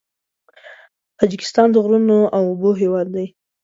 تاجکستان د غرونو او اوبو هېواد دی.